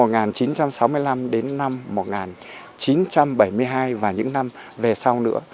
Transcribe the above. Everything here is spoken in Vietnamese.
năm đến năm một nghìn chín trăm bảy mươi hai và những năm về sau nữa